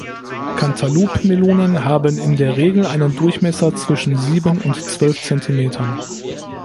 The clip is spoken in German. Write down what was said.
Cantaloupe-Melonen haben in der Regel einen Durchmesser zwischen sieben und zwölf Zentimetern.